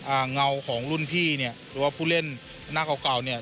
เงาของรุ่นพี่เนี่ยหรือว่าผู้เล่นหน้าเก่าเก่าเนี่ย